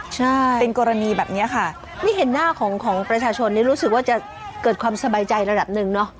ใช่เป็นกรณีแบบเนี้ยค่ะนี่เห็นหน้าของของประชาชนนี่รู้สึกว่าจะเกิดความสบายใจระดับหนึ่งเนอะ